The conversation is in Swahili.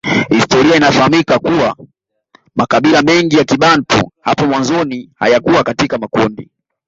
Historia inafahamika kuwa makabila mengi ya kibantu hapo mwanzoni hayakuwa katika makundi